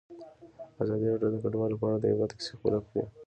ازادي راډیو د کډوال په اړه د عبرت کیسې خبر کړي.